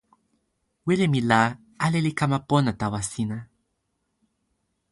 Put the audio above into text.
wile mi la ale li kama pona tawa sina.